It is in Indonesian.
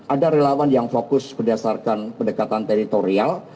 ada relawan yang fokus berdasarkan pendekatan teritorial